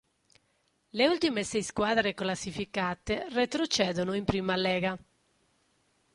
Le ultime sei squadre classificate retrocedono in Prima Lega.